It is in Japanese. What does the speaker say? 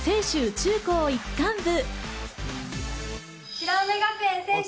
中高一貫部。